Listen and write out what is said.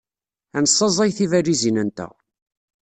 Ad nessaẓey tibalizin-nteɣ.